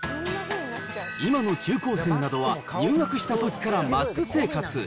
今の中高生などは、入学したときからマスク生活。